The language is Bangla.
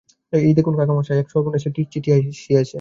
এই দেখুন কাকামহাশয়, এক সর্বনেশে চিঠি আসিয়াছে।